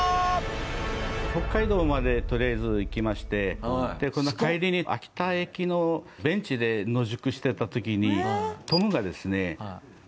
北海道までとりあえず行きましてその帰りに秋田駅のベンチで野宿してた時にトムがですね